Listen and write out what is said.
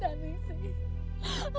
tidak ning si